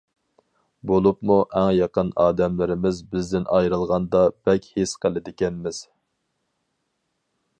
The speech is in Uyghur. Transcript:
بولۇپمۇ ئەڭ يېقىن ئادەملىرىمىز بىزدىن ئايرىلغاندا بەك ھېس قىلىدىكەنمىز.